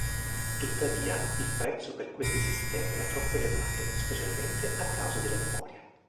Tuttavia, il prezzo per questi sistemi era troppo elevato, specialmente a causa della memoria.